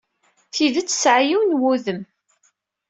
Tidet tesɛa yiwen wudem.